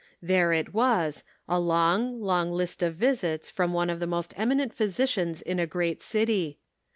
There it was, a long, long list of visits from one of the most eminent physicians in a great city.